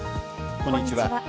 こんにちは。